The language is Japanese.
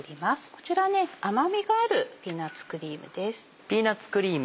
こちら甘みがある「ピーナッツクリーム」です。